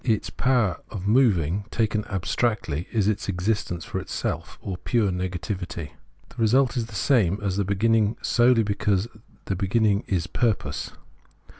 Its power of moving, taken abstractly, is its existence for itself, or pure negativity. The result is the same as the begin ning solely because the beginning is purpose.